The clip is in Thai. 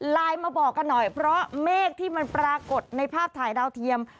ไลน์มาบอกกันหน่อยเพราะเมฆที่มันปรากฏในภาพถ่ายดาวเทียม